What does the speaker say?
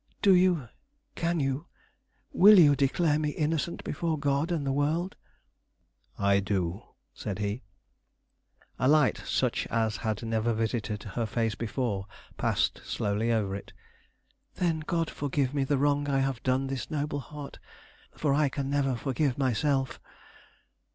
Do you, can you, will you, declare me innocent before God and the world?" "I do," said he. A light such as had never visited her face before passed slowly over it. "Then God forgive me the wrong I have done this noble heart, for I can never forgive myself!